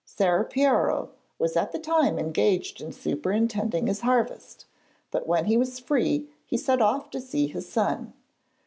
Ser Piero was at the time engaged in superintending his harvest, but when he was free he set off to see his son.